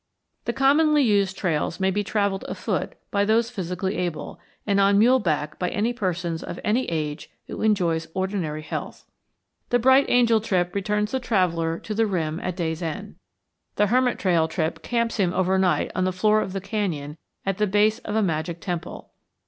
The commonly used trails may be travelled afoot by those physically able, and on mule back by any person of any age who enjoys ordinary health. The Bright Angel trip returns the traveller to the rim at day's end. The Hermit Trail trip camps him overnight on the floor of the canyon at the base of a magic temple.